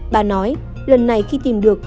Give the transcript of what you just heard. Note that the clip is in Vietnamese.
bà nói lần này khi tìm được